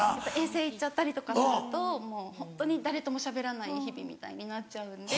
遠征行っちゃったりとかするともうホントに誰ともしゃべらない日々みたいになっちゃうんで。